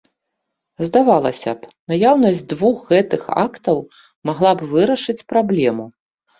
Здавалася б, наяўнасць двух гэтых актаў магла б вырашыць праблему.